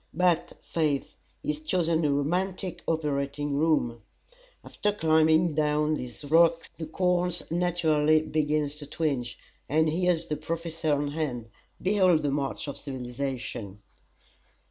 But, faith, he's chosen a romantic operating room. After climbing down these rocks the corns naturally begin to twinge, and here's the Professor on hand. Behold the march of civilization!"